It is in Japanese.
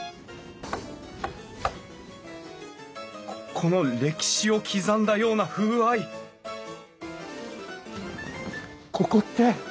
この歴史を刻んだような風合いここって！